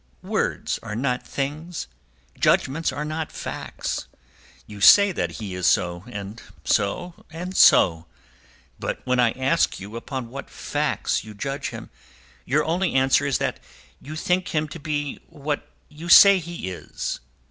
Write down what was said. "Words are not things; judgments are not facts. You say that he is so, and so and so. But when I ask you upon what facts you judge him, your only answer is that you think him to be what you say he is.